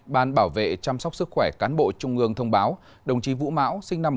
ban bảo vệ chăm sóc sức khỏe cán bộ trung ương thông báo đồng chí vũ mão sinh năm một nghìn chín trăm ba mươi chín